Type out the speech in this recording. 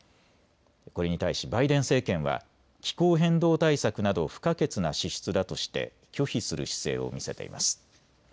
これに対しバイデン政権は気候変動対策など不可欠な支出だとして拒否する姿勢を見せています。